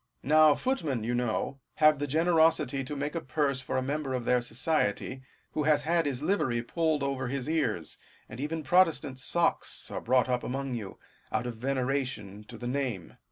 Now, footmen, you know, have the generosity to make a purse for a member of their society, who has had his livery pulled over his ears, and even protest ant socks are bought up among you, out of veneration to the name.